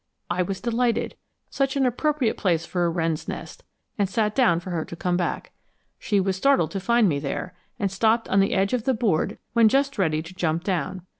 I was delighted, such an appropriate place for a wren's nest, and sat down for her to come back. She was startled to find me there, and stopped on the edge of the board when just ready to jump down.